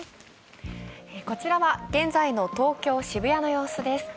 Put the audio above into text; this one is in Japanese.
こちらは現在の東京・渋谷の様子です。